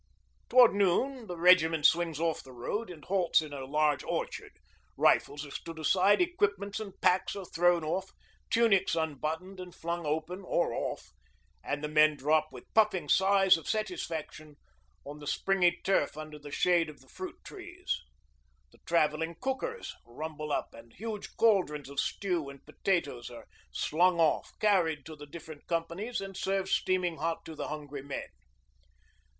Towards noon the regiment swings off the road and halts in a large orchard; rifles are stood aside, equipments and packs are thrown off, tunics unbuttoned and flung open or off, and the men drop with puffing sighs of satisfaction on the springy turf under the shade of the fruit trees. The 'travelling cookers' rumble up and huge cauldrons of stew and potatoes are slung off, carried to the different companies, and served steaming hot to the hungry men.